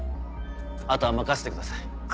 あとは任せてください。